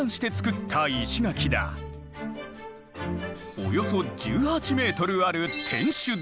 およそ１８ｍある天守台。